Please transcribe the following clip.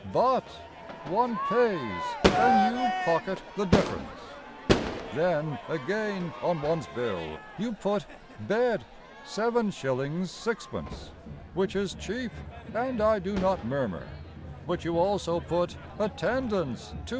But One pays, And you pocket the difference. Then, again, on one's bill You put Bed, 7s. 6d. Which is cheap; And I do not murmur; But you also put Attendance, 2s.